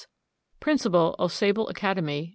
Principal Au Sable Academy, N.